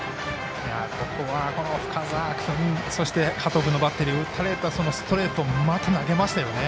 ここは、深沢君そして、加藤君のバッテリー打たれたストレートをまた投げましたね。